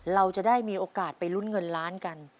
เราจะได้มีโอกาสไปลุ้นเงินล้านกัน